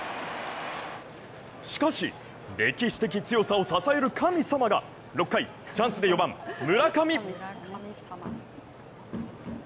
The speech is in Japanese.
しかし、歴史的強さを支える神様が６回、チャンスで４番・村上。